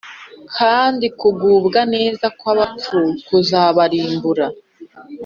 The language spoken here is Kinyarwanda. Kandi kugubwa neza kw’abapfu kuzabarimbura